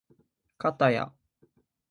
かたや